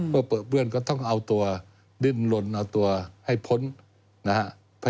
เพื่อเปิดเปื้อนก็ต้องเอาตัวดิ้นลนเอาตัวให้พ้นนะฮะ